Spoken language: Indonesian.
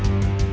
saya yang menang